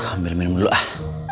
ambil minum dulu ah